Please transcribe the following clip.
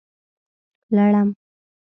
🦂 لړم